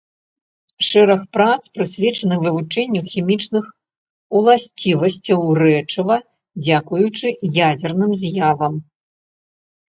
Шэраг прац прысвечаны вывучэнню хімічных уласцівасцяў рэчыва дзякуючы ядзерным з'явам.